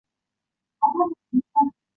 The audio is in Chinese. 元老院是日本明治时代的立法机构。